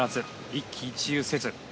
一喜一憂せず。